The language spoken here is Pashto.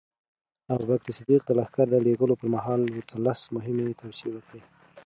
ابوبکر صدیق د لښکر د لېږلو پر مهال ورته لس مهمې توصیې وکړې.